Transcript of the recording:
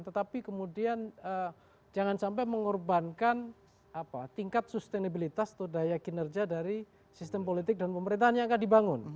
tetapi kemudian jangan sampai mengorbankan tingkat sustenabilitas atau daya kinerja dari sistem politik dan pemerintahan yang akan dibangun